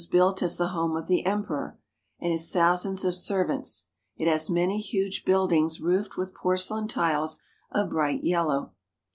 built as the home of the Emperor and his thousands of servants ; it has many huge buildings roofed with porcelain tiles of bright yellow.